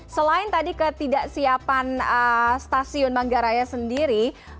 selain tadi ketidaksiapan stasiun manggarai sendiri